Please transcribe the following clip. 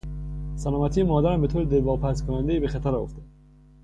سلامتی مادرم به طور دلواپسکنندهای به خطر افتاد.